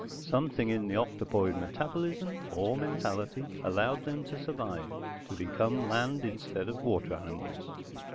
Something in the octopoid metabolism (or mentality?) allowed them to survive, to become land instead of water animals.